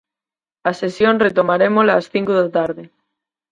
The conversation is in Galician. A sesión retomarémola ás cinco da tarde.